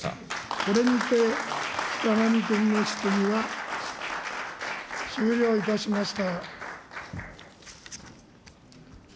これにて、北神君の質疑は終了いたしました。